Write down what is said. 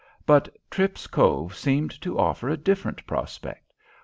But Tripp's Cove seemed to offer a different prospect.